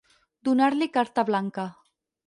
Donar-li carta blanca.